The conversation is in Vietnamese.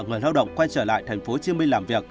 người lao động quay trở lại tp hcm làm việc